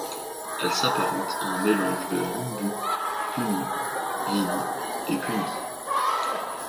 Elle s'apparente à un mélange de lumbu, punu, vili et kuni.